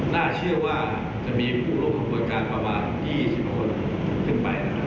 น่าเชื่อว่าจะมีผู้ลบกรรมการประวัติที่ยี่สิบหวัดขึ้นไปนะครับ